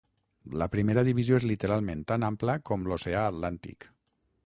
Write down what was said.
La primera divisió és literalment tan ampla com l'Oceà Atlàntic.